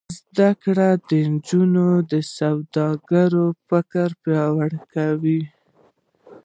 زده کړه د نجونو د سوداګرۍ فکر پیاوړی کوي.